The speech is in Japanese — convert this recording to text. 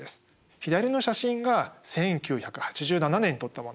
左の写真が１９８７年に撮ったもの。